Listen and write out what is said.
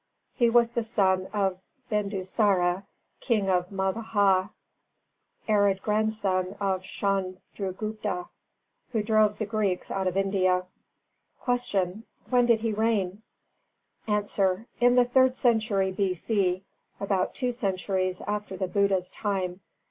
He was the son of Bindusāra, King of Magadha, arid grandson of Chandragupta, who drove the Greeks out of India. 290. Q. When did he reign? A. In the third century B.C., about two centuries after the Buddha's time.